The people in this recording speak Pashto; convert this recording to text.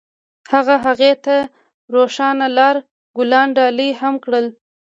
هغه هغې ته د روښانه لاره ګلان ډالۍ هم کړل.